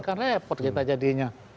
kan repot kita jadinya